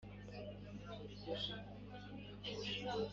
ya nka ntayagarutse ino